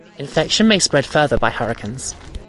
Infection may spread further by hurricanes.